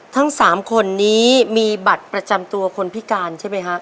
ทั้ง๓คนนี้มีบัตรประจำตัวคนพิการใช่ไหมฮะ